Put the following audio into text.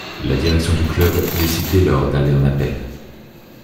La direction du club décide dès lors d'aller en appel.